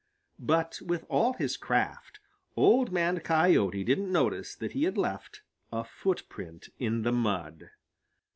But with all his craft, Old Man Coyote didn't notice that he had left a footprint in the mud.